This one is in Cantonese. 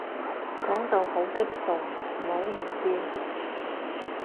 講到好激動，唔好意思